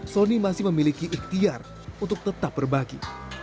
sony masih memiliki ikhtiar untuk tetap berbagi